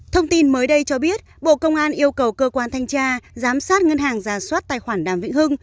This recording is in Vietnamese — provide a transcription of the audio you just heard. thông tin mới đây cho biết bộ công an yêu cầu cơ quan thanh tra giám sát ngân hàng giả soát tài khoản đàm vĩnh hưng